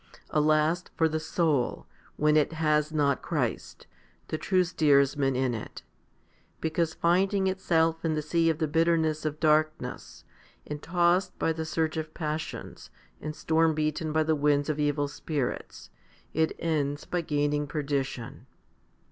Alas for the soul when it has not Christ, the true steersman, in it, because finding itself in the sea of the bitterness of darkness, and tossed by the surge of passions, and storm beaten by the winds of evil spirits, it ends by gaining perdition.